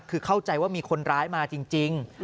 คือเข้าใจว่ามีคนร้ายมาจริง